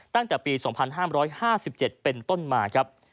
ตั้งแต่ปี๒๕๕๗เป็นต้นมาครับ